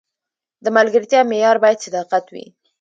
د ملګرتیا معیار باید صداقت وي.